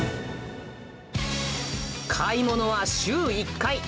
買い物は週１回。